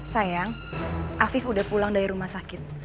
sayang afif udah pulang dari rumah sakit